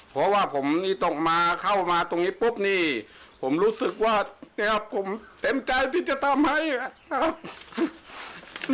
เพราะว่าผมนี่ต้องมาเข้ามาตรงนี้ปุ๊บนี่ผมรู้สึกว่าเนี่ยผมเต็มใจที่จะทำให้นะครับ